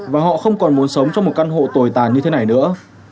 và họ không còn muốn sống trong một căn hộ tồi tàn như thế này nữa